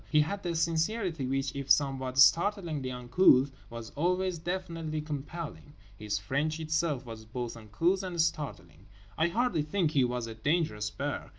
He had a sincerity which, if somewhat startlingly uncouth, was always definitely compelling. His French itself was both uncouth and startling. I hardly think he was a dangerous bear.